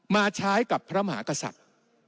มาใช้กับพระมหากษัตริย์